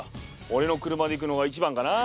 おれの車で行くのが一番かな。